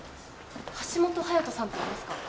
橋本隼斗さんっていますか？